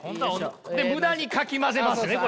で無駄にかき混ぜますね